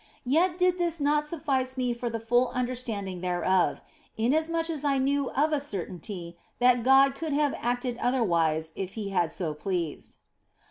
Yet did this not suffice me for the full understanding thereof, inasmuch as I knew of a certainty that God could have acted otherwise if He had so pleased.